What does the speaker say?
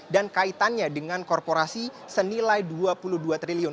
dan kaitannya dengan korporasi senilai rp dua puluh dua triliun